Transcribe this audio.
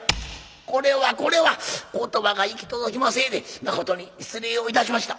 「これはこれは言葉が行き届きませぇで誠に失礼をいたしました。